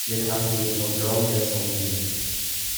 Le café Lemblin descendit.